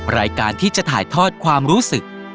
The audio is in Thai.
รายการที่จะถ่ายทอดความรู้สึก